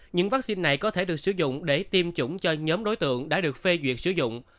những vaccine này có thể được sử dụng để tiêm chủng cho nhóm đối tượng đã được phê duyệt sử dụng